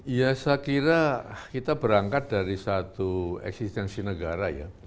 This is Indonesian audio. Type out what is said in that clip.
ya saya kira kita berangkat dari satu eksistensi negara ya